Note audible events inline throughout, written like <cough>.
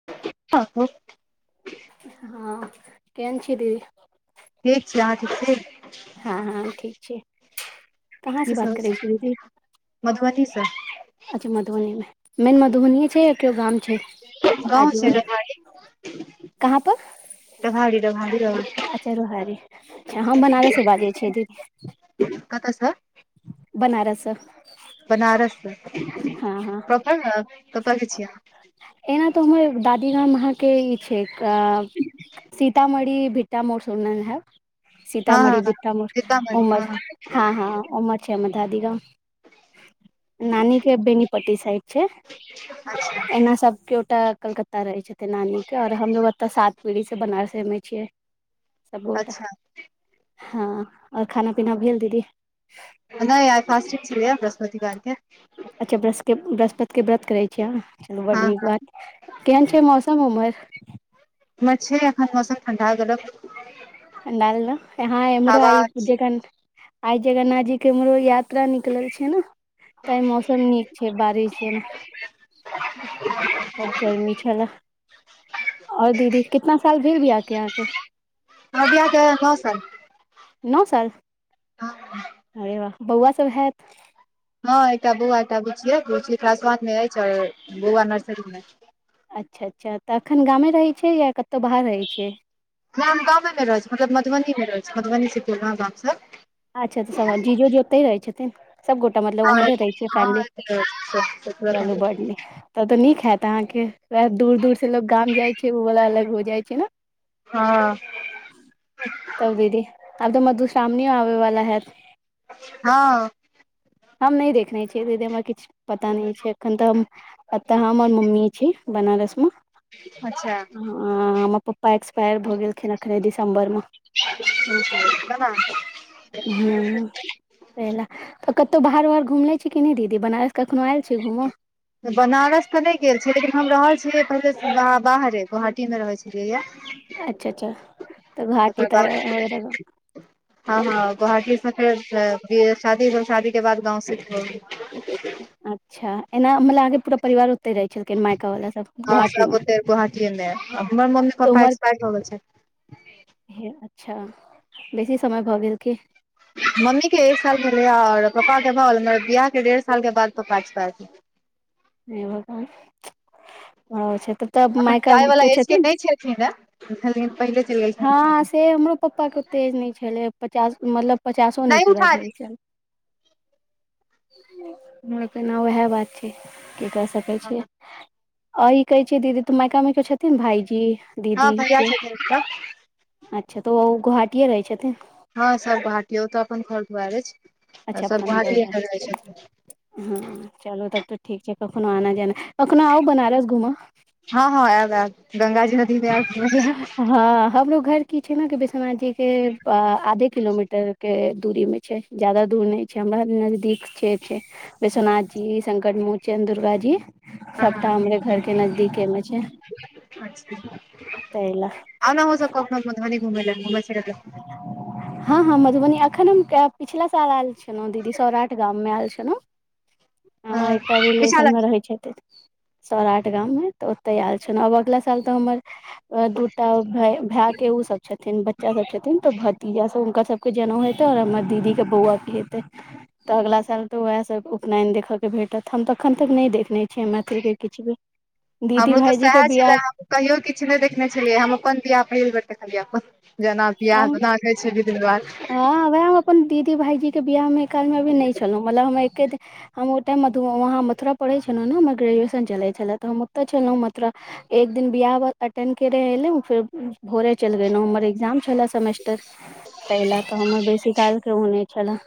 <unintelligible> हँ। केन छी दी? ठीक छी। अहाँ ठीक छी? हँ- हँ- ठीक छी ‌कहाँ स बात करै छीै दीदी? मधुबनीसँ। अच्छा मधुबनी मे। मेन मधुबनीयें छै या कियो गाम? छैय। गाँव छै आजु-बाजु। कहाँ पर? त भाड़ी रभाड़ी रह अच्छा रोहारी। अच्छा हम बनारस स बाजै छि दी- कतऽ से बनारस स। बनारस स। हँ <unintelligible> एना तऽ हमर दादी गाम अहाँ के ई छैय का- सीतामढ़ी भिट्टा मोड़ सुनने हैऽब। अहाँ हँ सीतामढ़ी हँ भिट्टा- मोर। सीतामढ़ी हँ उम्हर, हँ -हँ उम्हर छै हम्मर दादी गाम। नानी के बेनी पट्टी साइड छैय। <unintelligible> एना सबक्योटा कलकत्- ता रहै छथिन नानी के और हमलोग ओतऽ सात पीढ़ी से बनारसे मे छियै। सबगोटा, अच्छा हँ -और खाना- पीना भेल दीदी? नै आय फास्टिंग छेलैयैऽवृहस्पतिवार के। अच्छा ब्रसके-बृहस्पत के व्रत करे छियै आं? चलू बड्ड हँ नीक हँ बात। केहन छैय मौस- सम उमहर? इम्हर छैय एखन मौसम ठण्डा <unintelligible> पण्डाल न? हँ अमरो आय- हमर जकन, आय जगन्नाथ जीक के एम्हरो यात्- त्रा निकलल छैय नऽ तैंऽ मौसम नीक छैय बारिश जेना। <unintelligible> गर्मी छेलै। और दीदी कितना साल भेल बियाह के? अहाँ के? कबिया के पसल। नो साल अरे वाह बौआ सब हेऽत। हँ एकटा बौआ एकटा बुची या बुची क्लास वन में अैछ और बौआ नर्सरी मे। अच्छा- अच्छा तऽ एखन गामे रहै छैय या कतौ बाहर रहै छियै? हम गामे मे रहै छी मतलब मधुबनी मे रहै छी मधुबनी से पूर्णा गाम सँ। अच्छा तऽ सब जीजो जी ओतै रहै छथिन। सबगोटा मतलब हँ उम्हरे रहै छियै फैमिली चलू बड नीक। तब तऽ नीक हेऽत आहाँ के। वएह दूर -दूर से लोक गाम जाय छै उवला अलग हो जाय छै नऽ। हँ। तब दीदी आब तऽ मधुश्रामनी आबै वला हेऽत। हँ। हम नै देखने छियै दीदी हमरा किछ पता नै छै अखन तऽ हम। अ तऽ हम आर मम्मी छी बनारस में। अच्छा हँ हमर पप्पा एक्सपएर भऽ गेलखिन अखने दिसम्बर मे। <unintelligible> ह तऽ कतौ बाहर वाहर घुमने छी कि नै दीदी बनारस कखनो आएल छी घूमऽ। बनारस तऽ नै गेल छिये लेकिन हम रहल छियै पहिले सँ बाहरे गोहाट टी मे रहै छेलियै या अच्छा अच्छा तऽ घाटी ओकर तऽ बाद वगैरह हँ हँ गोहाटी सँ फेर बिय शादी -शादी के बाद गाँव सिप्ट भगेलै। अच्छा एना मतलब आहाँ के पूरा परिवार ओत तै रहै छेलखिन हँ सब ओतै गोहाटीये मे हमर मम्मी तऽ -पापा उम्हर एक्सपाइर भ गेल छेथ। हे अच्छा बेसी समय भऽ गेल की? मम्मी के एक साल भेलै आ और पप्पा के भऽ गेलेन बियाह के डेढ़ साल के बाद पप्पा एक्सपाइर हे भगवान छऽ तऽ तब अखन मायका जाय मे वाला कियै छथिन? <unintelligible> पहिले चैल गेल। हँ से हमरो पप्पाके ओते ऐज नहि छलै पचास मतलब पचासो नहि पूरा भेल छल। हमरा पेनाहा उएह बात छै केकरा सँ। कहै छीयै देली आ ई कहै छियै दीदी तऽ मायका मे कोइ छथिन भाईजी। हँ दीदी भईया केओ छथिन ओतऽ। अच्छा त ओ गुहाटीए रहै छथिन। हँ सब गोहाटी ओतऽ अपन घर दुआरि अछि आ अच्छा सभ अपन घर गोहाटीए में रहै छथिन। हँ चलू तब तऽ ठीक छै कखनो आना-जाना कखनो आउ बनारस घूमऽ। हँ हँ एब एब गंगाजी नदी मे एब <inaudible> हँ हमरो घर की छै ने कि विश्वनाथ जी के आधे किलोमीटर के दूरी में छै। जादा दूर नहि छै हमरा नजदीक छै छै। विश्वनाथजी संकट मोचन दुर्गा जी। सबटा हमरे घर के नजदीके में छै। अच्छा ताहि लए आउ नऽ अहुँ सब कखनो मधुबनी घुमै लए घुमै फीरै लए। हँ हँ मधुबनी अखन हम पिछिला साल एयल छी। छलहु दीदी सौराठ गाम मे आयल छलहुँ ह हँ एकटा पीछा रिलेशन मे लग रहै छैथ। सौराठ गाममे तऽ ओतै आयल छनौ आब अगिला साल तऽ हमर दू टा भाय भेए के उ सब छथिन बच्चा सब छथिन त भतीजा से हुनकर सब के जनउ हेतै और हमर दीदी के बौवा क हेतै। तऽ अगला साल तऽ वेएह सब उपनयन देखऽ के भेटत हम तऽ अखन तक नै देखने छी। मैथिल के किछ भी दीदी हमरो तऽ भाइजी के सएह छले बियाह हम कहियो किछ नै देखने छलियै हम अपन बियाह पहिल बेर देखलियै अपन। जेना हम पियाह ओना कहै छै विध - ब्यबहार। हँ वेएह हम अपन दीदी भायजी के बियाह मे काल मे भी नै छलहुं मलब हम एके हम ओइ टाइम मधुवा वहाँ मथुरा पढ़ै छलउ ने हमर ग्रेजुएशन चलै छले त हम ओत्तै छलौं मथुरा एक दिन बियाह ब -अटेंड करय एलौं फेर भोरे चलि गेलौं हमर एग्जाम छलेए सेमेस्टर तहि ले तऽ हमर बेसी काल के ओने छलह,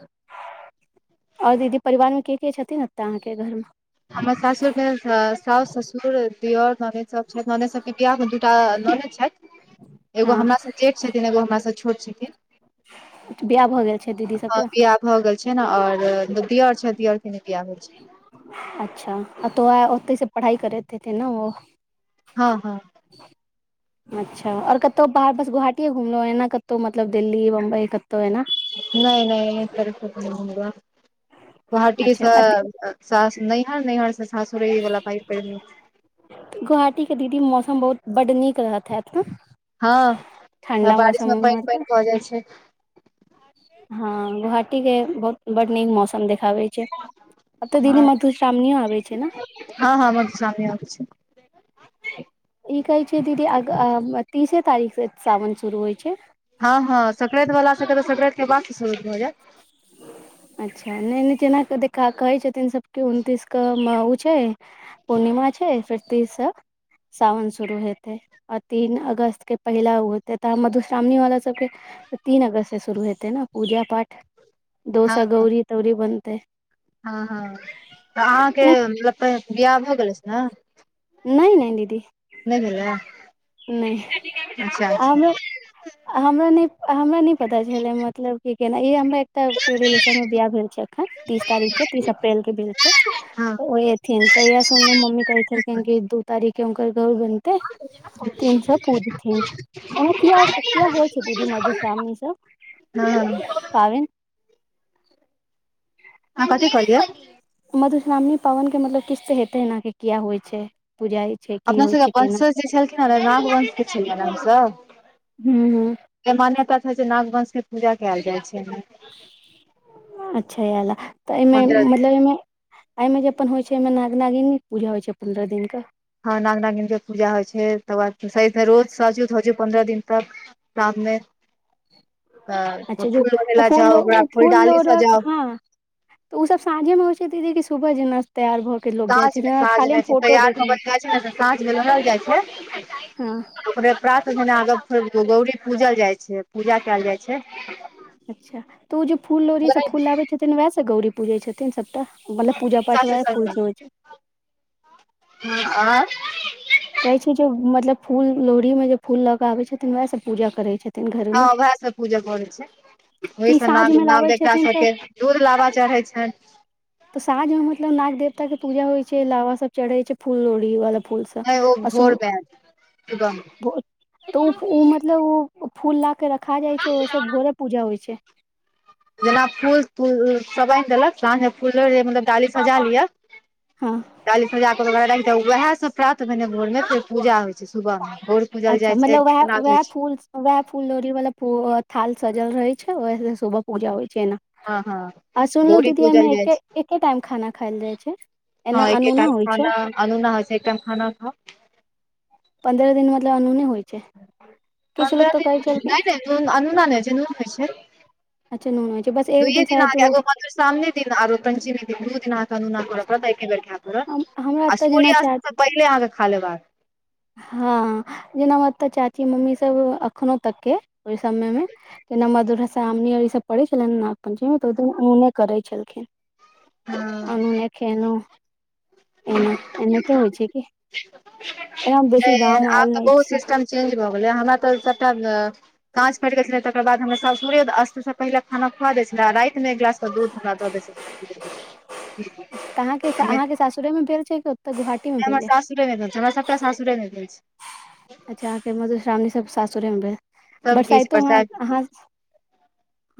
और दीदी परिवारमे के, के छथिन एत्तऽ अहाँके घर मे? हमर सासुर के साउस -साउस ससुर दीयर ननैद सब छथि ननैद सबके बियाह टा ननैद छथि एगो हँ हमरा से जेठ छथिन एगो हमरा सँ छोट छथिन। बियाह भऽ गेल छै दीदी हँ सबके? बियाह भऽ गेल छै ने आओर दियर छैथ दियर के नै बियाह भेल छै। अच्छा आ त ओ आ ओतै से पढ़ाइ करैत हेथिन ने ओ हँ हँ। ह अच्छा और कतौ बाहर बस गोवाहाटीये घुमलौए ने कतौ मतलब दिल्ली बम्बई कतौ एना। नै नै एहन तरफ कतौ नै घुमलौए गोवाहाटी अच्छा स आ सास नैहर नइहर स सासुर इ बला पाइठ पढ़ि नेने छी। गोवाहाटी के दीदी मौसम बहुत बड्ड नीक रहत हैत न। हँ बारिश में पानि - के पानि भऽ जाइ छै। हँ गोहाटी के बहुत बड नीक मौसम देख खाबै छै आब तऽ दीदी मधुश्रावणियो आबै छै ने। हँ हँ मधुश्रावणियो अबैछै। इ कहै छियै दीदी अग-आ- तीसे तारीख से सावन शुरू होइ छै। हँ हँ सकरांति बला सबके त सकरांति के बाद स शुरू भऽ जायत। अच्छा नै नीचे एना क क देखा क कहै छथिन सबके उनतीस क‌ऽ म उ छै पूर्णिमा छै फेर तीस से सावन शुरू हेतै आ तीन अगस्त के पहिला ओ हेतै तऽ मधुश्रावणी वाला सबके त तीन अगस्त से शुरू हेतै ने पूजा पाठ दो हँ स गौरी- तौरी बनतै। हँ हँ तऽ अहाँके एना लगतइ बियाह भऽ गेल अइछ ने? नै नै दीदी। नै भेलए नहि अच्छा। हमर हमरा नै हमरा नै पता छले मतलब कि केना इ हमरा एतऽ केयो रिलेशन मे बियाह भेल छै अखन तीस तारीख के तीस अप्रैल के भेल छै हँ ओ ए थिन तऽ येएह सुनलौ मम्मी कहै छलखिन कि दू तारीखे हुनकर गौर बनतै। अछा तीन से पूजथिन त ने किया किया होइ छै दीदी मधुश्रामणी सब? हँ। पाबनि। अहां कथी कहलियै? मधुश्रामणी पावनि के मतलब किछ त हेतै न कि किया होइ छै। पूजाइ छै। की अपना होइ छै सबके केना वंश जे छलखिन <unintelligible> नाम वंशके छल नामसँ हू हू मान्यता छै जे नागवंशके पूजा कयल जाइ छै। <unintelligible> अच्छा इएह लए तऽ एहिमे पन्द्रह दिन मतलब एहिमे। एहिमे जे अपन होइ छै एहिमे नाग नागिन पूजा होइ छै पन्द्रह दिन के। हँ नाग नंगनक के पूजा होइ छै तकर बाद स रोज सजुत हो छै पन्द्रह दिन तक। साथमे। अच्छा ज ओ ला फूल जाउ ओकरा ओ फूलडाली फूलर सजाउ ले हँ। तऽ ओसभ साँझेमे होइ छै दीदी कि सुबह जे न? तैयार भऽ के लोग जाइ साँझ छै मे जे साँझ खाली मे हम फोटो तैयार देखने होबल छी जाइ छै ने तऽ साँझ मे लोढ़ल जाइ छै <unintelligible> हँ ओकरे प्रात जेना अग फे गौरी पूजल जाइ छै। पूजा कयल जाइ छै। अच्छा तऽ ओ जे फूल ली सब फूल आबै छै। न वएह से गौरी पूजे छथिन सबटा मतलब पूजा पाठ सासु वएह फूल सब होइ छै। ह आ <unintelligible> कहै छै जे मतलब फूल लोहड़ी में जे फूल लऽ के आबे छथिन वएह सब पूजा करे छै। ह उएह सब पूजा करै छै। तऽ ई ओहिसँ न साँझ मे नाव लाबै देखा छथिन तऽ सबके दूध लाबा चढ़ै छ। तऽ साँझ मे मतलब नाग देवता के पूजा होइ छै लावा सब चढ़े छै फूल लोड़ी वाला फूल सब नहि ओ आ सु भोर बदम सुबह तऽ ओ ओ मतलब ओ फूल ला के रखा जाइ छै ओस भोरे पूजा होइ छै। जेना फूल तूल सब आनि देलक साँझ मे फूलो मतलब डाली सजा लियअ। हँ डाली सजा कऽा उएह सभ प्राप्त भने भोरमे फेर पूजा होइ छै सुबहमे भोर पूजल अच्छा जाइ छै मतलब वएह गीतनाद होइ वएह छै फूल वएह फूलदोरी वाला थाल सजल रहे छै वह सुबह पूजा होइ छै एना हँ हँ आ सुनलहु भोरी दीदी एहिमे पूजल जाइ एक छै एके टाइम खाना खायल जाइ छै। एना अनूना होइ छै। अलूना होइ छै एकदम खाना खा। पन्द्रह दिन मतलब अनोने होइ छै। प किछु लोक तऽ कहै नहि छलखिन नहि नून अनूना नहि हो छै नून होइ छै। अच्छा नून होइ छै बस एक दुये दिन आ शायद ओ गा घुमा फर सामने दिन आरो पञ्चमी दिन दू दिन अहाँके नूना करऽ पड़त एके बेर खाय हम पड़त हमरा आ एतऽ जेना सूर्यास्त चा तक पहिले अहाँके खा लेबाक। हँ जेना मतब चाची मम्मी सब अखनो तक के ओहि समय मे। जेना मधुर साम ई सब पड़ै छले नागपञ्चमीमे तऽ ऊने करै छलखिन। नहि आनू ने खेल एना एने त होइ छै कि। एना हम बेसी नहि गाम आब आयल तऽ नहि बहुत छी सिस्टम चेंज भए गेल हमरा तऽ सबटा काच फटि गेल छले तकर बाद हमरा सासुर <unintelligible> पहिे खाना खुा दै छल रात मेमे एक गिलास त दूध दऽ दऽ दे छलिय <unintelligible> भेलेल छै ओत गुाी। हमर शाशुरे नहि दल छै हमरा सबटा शशुरे नहि दल छै। अच्छा अके मधुश्रावणी सब सासुरेमे सबकिछु बरसाइतो मे बरसाइत अहाँ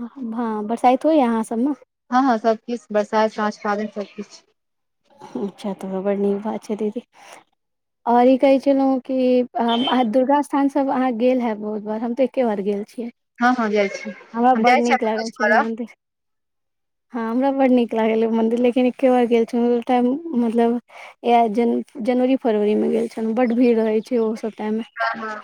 हँ भऽ बरसाइत होइये अहाँ सबमे हँ हँ सबकिछ बरसात साँझ पाबनि सबकिछ अच्छा तोड़ा बड़ नीक बात छै दीदी आर ई कहै छलौ कि हम अहा दुर्गा स्थान सब अहाँ गेल है बहुत बार हम ते एके बार गेल छियै। हँ हँ जाइ छी हरा हम बड़ जाइ छी नीक लागै खोज छैलये करऽ मन्दिर। हँ हमरा बड्ड नीक लागल ओ मन्दिर लेकिन एके बार गेल छलौ ओ टाइम मतलब इहे जन जनवरी-फरवरी में गेल छलौ बड भीड़ रहै छै ओहो सब टाइम मे हं ह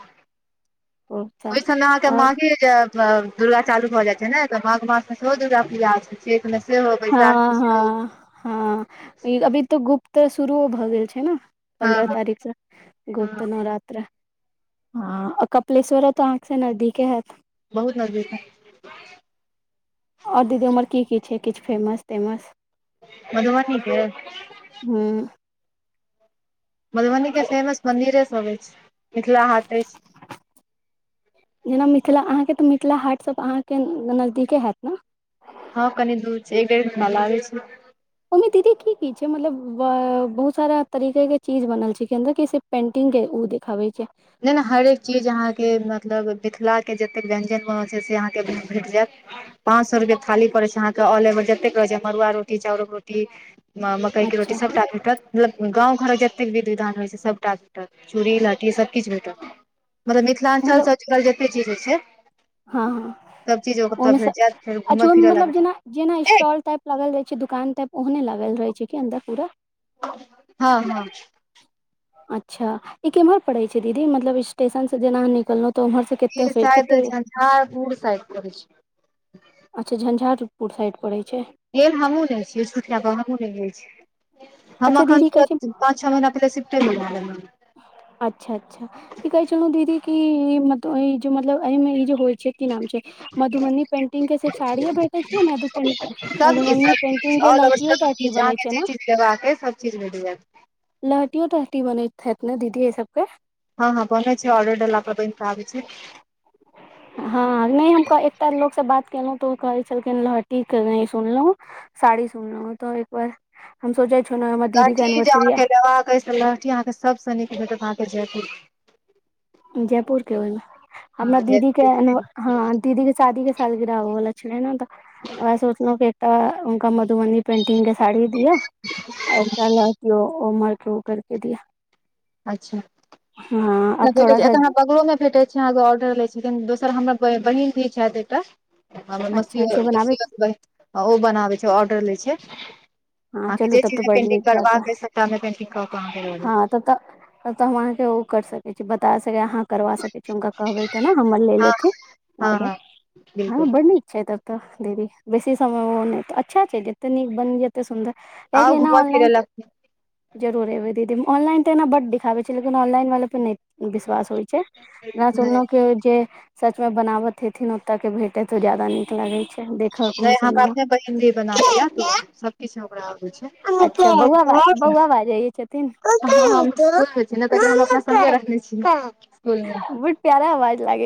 ओतऽ ओहिसन अहाँके और मागे जेब दुर्गा चालू भऽ जाइ छै ने तऽ माघ मास मे सेहो दुर्गा पूजा होए छै चैत मे सेहो बैशाख में हँ सहो हँ हँ ई अभी तऽ गुप्त तऽ शुरुओ भऽ गेल छै ने हँ पन्द्रह हँ तारीक सऽ हँ गुप्त नवरात्र ह आ कपिलेश्वरो तऽ अहाँ से नजदीके हेत बहुत नजदीक छै आर दीदी उमर की की छै किछ फेमस-तेमस मधुबनी के हुं मधुबनीके फेमस मन्दिरे सब अएछ मिथिला हाट अएछ जेना मिथिला अहाँके तऽ मिथिला हाट सब अहाँके नजदीके हेत नऽ हँ कनि दूर छै एक डेढ घंटा लागै छैय। ओहिमे दीदी की की छै मतलब बऽ बहुत सारा तरीके के चीज बनल छै कि अन्दर कसे पेंटिंग के ऊऽ देखाबै छै। नहि-नहि हरेक चीज अहाँके मतलब मिथिलाके जतेक व्यंजन बनल छै से अहाँके भेट जेत पाँच सौ रुपया के थाली पड़ैय छै अहाँके ओलएबर जतेक रहैत छै मरूआ रोटी चाउरक रोटी मऽ मकइके रोटी अच्छा सबटा भेटत मतलब गाँव घरक जते विधव-विधान रहइ छै सबटा भेटट चूड़ी लहठी सब किछ भेटत मतलब मिथिलांच्ल मतलब सऽ जुड़ल जते चीज होए छै। हँ हँ सब चीज ओतऽ ओहिमे सऽ भेट जायत फेर घूमय अच्छु ओए फिरय मतलब लागत जेना जेना ए स्टॉल टाइप लागल रहे छै दुकान टायप ओहने लागल रहे छै कि अंन्दर पूरा हँ हँ अच्छा ई केमहर पड़े छै दीदी मतलब स्टेशन से जेना निकलौ तऽ उम्हर सऽ ई सायद झंझारपुर साइड पड़य छै अच्छा झंझारपुर साइड पड़ैय छै गेल हमहुँ नहि छियै झूठ किये कहु हमहुँ नहि गेल छी हम अच्छा एखन दीदी कहै छै तुर पाँ छः महिना पहिले सिफटे भैले हमरा अच्छा अच्छा ई कहै छलौ दीदी कि मतलब जे मतलब एहिमे ई जे होइ छै कि नाम छै मधुबनी पेंटिंग के सिर्फ साड़िये भेटे छी याऽ सब चीज मधुबनी सब पेंटिंग चीज के ऑल ओवर लहठियो सब चीज अहाँके जे चीज लेबाक अए सब चीज भेट जेत लहठियो तहटी बनैत हेत ने दीदी एहि सबके हँ हँ बनै छै ऑर्डर देला पर बइन कऽ आबै छैय <unintelligible> हँ नहि हम कऽ एकटा लोकसँ बात केलौ तऽ ओ कहै छलखिन लहठीके नहि सुनलौ साड़ी सुननौ तऽ एक बार हम सोचै छनौ एमहर लहठी जे अहाँके लेबाक अएछ तऽ लहठी अहाँके सबसँ नीक भेटत अहाँके जयपुर के जयपुर के ओहिमे हमरा हँ दीदी के ने जयपुरी हँ दीदी के शादी के साल गिरा आबऽ बला छलै न? तऽ ओहैऽ सोचलौं फेर तऽ हुनका मधुबनी पेंटिंग के साड़ी दियऽ, एक टा लहटियो, ओ मारक्यू कर के दिअ। अच्छा। हँ। आब प्ल भेटै थोड़ा छै, सा एतऽ हमरा बगलो में भेटै छै, अहाँक ऑर्डर लै छै, किन दोसर हमर ब-बहन धी छैत एकटा हमर अच्छा से मसियौत बनाबे <unintelligible> बहिन ओ बनाबै छै, ऑर्डर लै छै। हँ अहाँके चलू जे तब तऽ चीज में बड पेन्टिंग नीक बात छै करबाक अइछ सबटा में पेन्टिंग क क अहाँके द देत। हँ तब त, तब त हम अहाँके ओ कर सकै छी, बता सकै अहाँ करबा सकै छी, हुनका कहबै तऽ न हमर लै लेथिन हँ ऑडर, हँ बिल्कुल हं बड़ नीक छै त। तऽ दीदी, बेसी समय ओ नैय तऽ अच्छा छै, जते नीक बन जे ते सुन्दर, आउ कियाकि न घूमय ऑनलाइन फिरै तऽ लए जरूर एबै दीदी, ऑनलाइन तऽ एना बड दिखाबै छै, लेकिन ऑनलाइन वाले पे नैय विश्वास होइ छै। न नहि सुनलौं कि जे सच में बनाबत हेथिन ओतऽ के भेटैऽ जादा नीक लागै छै। देखऽ मे नैय, हमरा सुनऽ मे अपने बहिनधी बनाबै यैऽ <unintelligible> सब किछ ओकरा आबै छै, <unintelligible> <unintelligible> हम अच्छा बौआ बाज बौआ बाजै छथिन <unintelligible> तैं हम अपना संगे रखने छी इसकूल में। बहुत प्यारा आवाज लागै